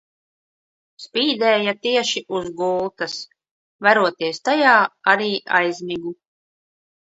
Spīdēja tieši uz gultas. Veroties tajā arī aizmigu.